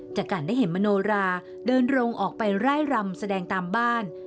จากการได้เห็นมโนราเดินลงออกไปไล่รำแสดงตามบ้าน